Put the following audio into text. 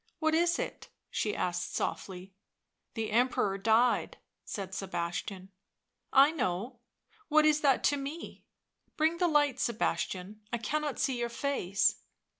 "What is it?" she asked softly. " The Emperor died," said Sebastian. " I know — what is that to me? Bring the light, Sebastian; I cannot see your face."